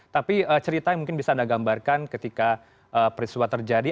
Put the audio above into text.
tapi cerita yang mungkin bisa anda gambarkan ketika peristiwa terjadi